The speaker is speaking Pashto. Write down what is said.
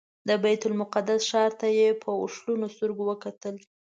د بیت المقدس ښار ته یې په اوښلنو سترګو وکتل.